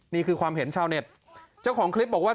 นี่คือความเห็นชาวเน็ตเจ้าของคลิปบอกว่า